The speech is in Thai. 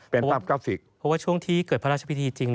เพราะช่วงที่เกิดพระราชพิธีจริง